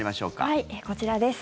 はい、こちらです。